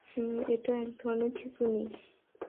এটা একধরনের খিঁচুনি।